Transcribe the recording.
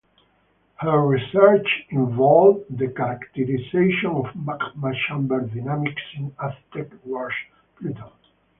Her research involved the characterization of magma chamber dynamics in Aztec Wash pluton.